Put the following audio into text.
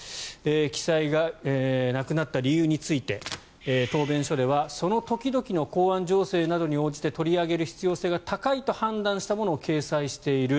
記載がなくなった理由について答弁書ではその時々の公安情勢などに応じて取り上げる必要性が高いと判断したものを掲載している。